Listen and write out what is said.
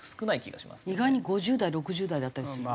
意外に５０代６０代だったりする？